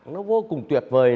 nó vô cùng tuyệt vời